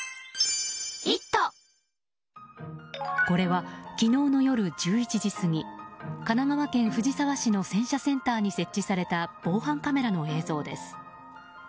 これは、昨日の夜１１時過ぎ神奈川県藤沢市の洗車センターに設置された防犯カメラの映像です。